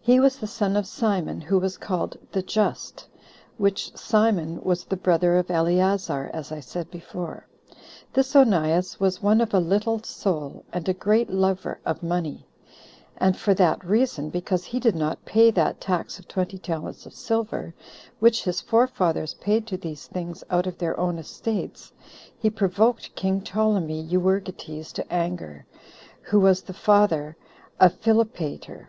He was the son of Simon, who was called The Just: which Simon was the brother of Eleazar, as I said before. This Onias was one of a little soul, and a great lover of money; and for that reason, because he did not pay that tax of twenty talents of silver, which his forefathers paid to these things out of their own estates, he provoked king Ptolemy Euergetes to anger, who was the father of Philopater.